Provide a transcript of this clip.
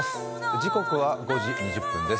時刻は５時２０分です。